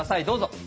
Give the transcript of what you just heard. どうぞ。